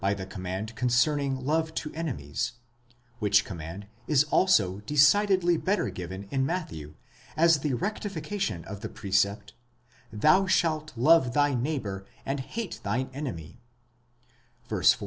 the command concerning love to enemies : which command is also decidedly better given in Matthew as the rectification of the precept, Zhou shalt love thy neighbour, and hate thine enemy (43 ff.).